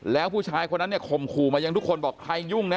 แล้วผู้ชายคนนั้นเนี่ยข่มขู่มายังทุกคนบอกใครยุ่งนะ